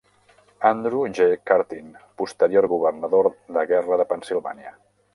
Andrew G. Curtin, posterior governador de guerra de Pennsilvània.